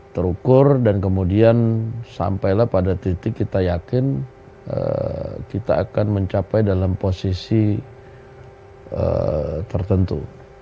terukur dan kemudian sampailah pada titik kita yakin kita akan mencapai dalam posisi tertentu